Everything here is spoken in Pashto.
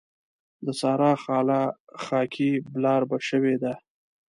د سارا خاله خاکي بلاربه شوې ده.